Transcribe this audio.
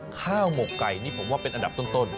หมกไก่นี่ผมว่าเป็นอันดับต้น